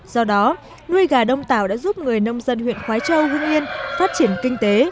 do đó nuôi gà đông tảo đã giúp người nông dân huyện khói châu huyên nhiên phát triển kinh tế